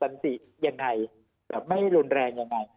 สันสิอย่างไหนแบบไม่รุนแรงยังไง